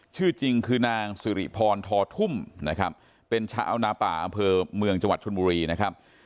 ชื่อจริงคือนางสิริพรทอทุ่มนะครับเป็นชาวเอานาป่าอำเภอเมืองจังหวัดชนบุรีนะครับ